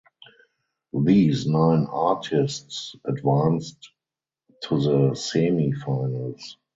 These nine artists advanced to the Semifinals.